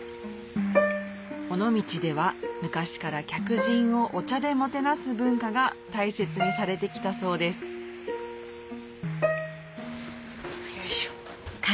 尾道では昔から客人をお茶でもてなす文化が大切にされてきたそうですよいしょ。